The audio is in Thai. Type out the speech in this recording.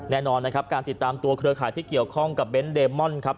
แน่นอนนะครับการติดตามตัวเครือข่ายที่เกี่ยวข้องกับเบนท์เดมอนครับ